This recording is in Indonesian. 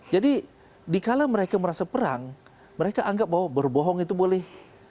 jadi jika mereka merasa perang mereka anggap bahwa berbohong itu boleh